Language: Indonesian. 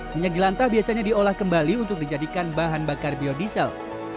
minyak jelantah biasanya diolah kembali untuk dijadikan bahan bakar biodiesel